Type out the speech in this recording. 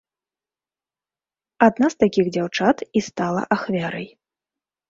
Адна з такіх дзяўчат і стала ахвярай.